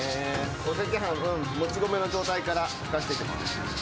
お赤飯、もち米の状態からふかしていきます。